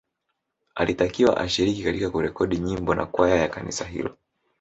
Alitakiwa ashiriki katika kurekodi nyimbo na kwaya ya kanisa hilo